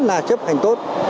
là chấp hành tốt